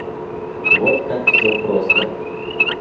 Вот как все просто.